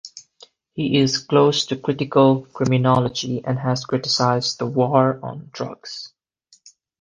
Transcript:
He is close to critical criminology and has criticized the War on Drugs.